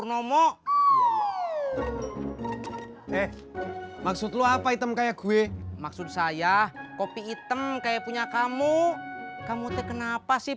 nomo maksud lu apa item kayak gue maksud saya kopi item kayak punya kamu kamu teken apa sih